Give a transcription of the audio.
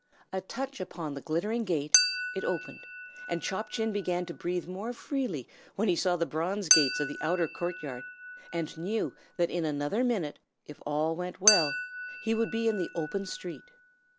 A touch upon the glittering gate, it opened, and Chop Chin began to breathe more freely when he saw the bronze gates of the outer court yard, and knew that in another minute, if all went well, he would be in the open street.